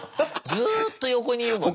ずっと横にいるもんね。